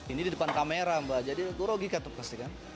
ini di depan kamera mbak jadi aku rogi kan pasti kan